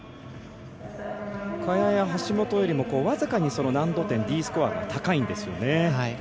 萱や橋本よりも僅かに難度点Ｄスコアが高いんですよね。